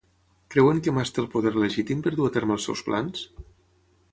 Creuen que Mas té el poder legítim per dur a terme els seus plans?